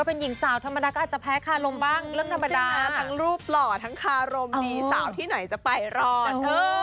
เป็นหญิงสาวธรรมดาก็อาจจะแพ้คารมบ้างเรื่องธรรมดาทั้งรูปหล่อทั้งคารมดีสาวที่ไหนจะไปรอด